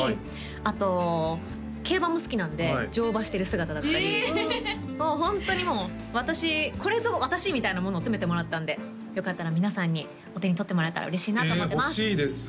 あと競馬も好きなんで乗馬してる姿だったりもうホントにもう私これぞ私みたいなものを詰めてもらったんでよかったら皆さんにお手に取ってもらえたら嬉しいなと思ってますえ欲しいです